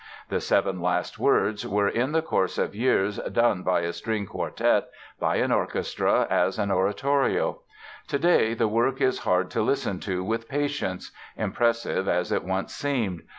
The "Seven Last Words" were, in the course of years, done by a string quartet, by an orchestra, as an oratorio. Today the work is hard to listen to with patience, impressive as it once seemed.